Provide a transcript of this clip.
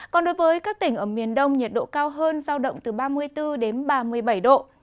còn đối với các tỉnh ở miền đông nhiệt độ cao hơn giao động từ ba mươi bốn đến ba mươi bảy độ